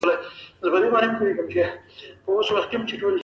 اسټرالیا د مجرمینو د تبعید لپاره غوره سیمه وه.